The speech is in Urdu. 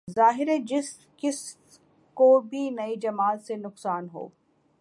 ظاہر ہے جس کس کو بھی نئی جماعت سے نقصان ہو